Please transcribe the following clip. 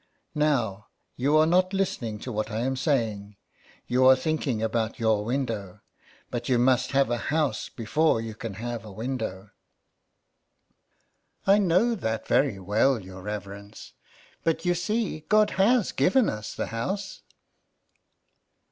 Now you are not listening to what I am saying. You are thinking about your window ; but you must have a house before you can have a window." 94 SOME PARISHIONERS. I know that very well, your reverence ; but, you see, God has given us the house.''